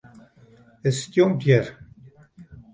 It stjonkt hjir.